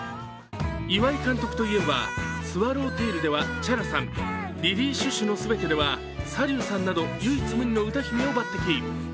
岩井監督といえば、「スワロウテイル」ではＣＨＡＲＡさん、「リリイ・シュシュのすべて」ではＳａｌｙｕさんなど唯一無二の歌姫を抜てき。